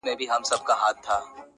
• ځکه چي ماته يې زړگی ويلی.